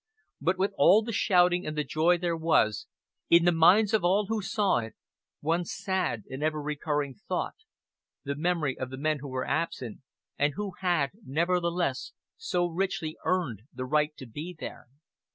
But with all the shouting and the joy there was, in the minds of all who saw it, one sad and ever recurring thought the memory of the men who were absent, and who had, nevertheless, so richly earned the right to be there.